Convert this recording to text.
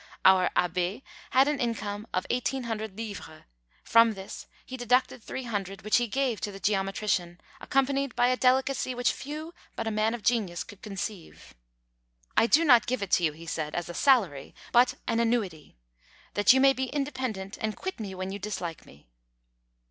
Our Abbé had an income of 1800 livres; from this he deducted 300, which he gave to the geometrician, accompanied by a delicacy which few but a man of genius could conceive. "I do not give it to you," he said, "as a salary, but an annuity, that you may be independent, and quit me when you dislike me."